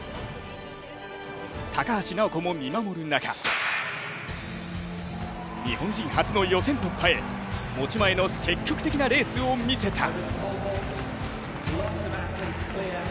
高橋尚子も見守る中、日本人初の予選突破へ持ち前の積極的なレースを見せた。